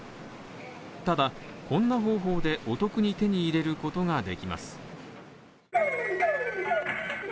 ただ、こんな方法でお得に手に入れることができます。